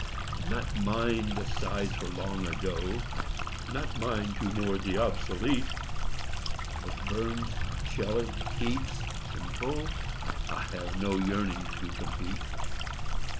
Not mine the sighs for Long Ago; Not mine to mourn the obsolete; With Burns and Shelley, Keats and Poe I have no yearning to compete.